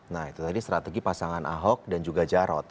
nah itu tadi strategi pasangan ahok dan juga jarot